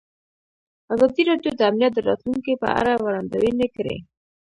ازادي راډیو د امنیت د راتلونکې په اړه وړاندوینې کړې.